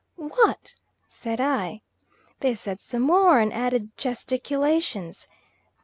"What?" said I. They said some more and added gesticulations.